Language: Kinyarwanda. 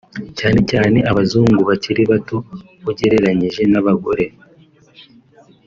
cyane cyane abazungu bakiri bato ugereranyije n’abagore